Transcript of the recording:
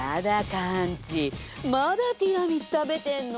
カンチまだティラミス食べてんの？